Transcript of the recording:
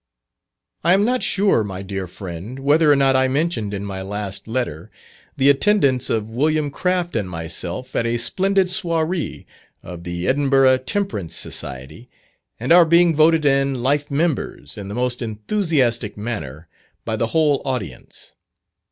I am not sure, my dear friend, whether or not I mentioned in my last letter the attendance of Wm. Craft and myself at a splendid Soiree of the Edinburgh Temperance Society, and our being voted in life members, in the most enthusiastic manner, by the whole audience.